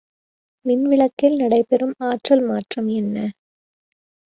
மின்விளக்கில் நடைபெறும் ஆற்றல் மாற்றம் என்ன?